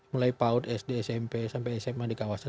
mulai paut sd smp sampai sma di kawasan